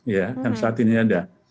yang saat ini ada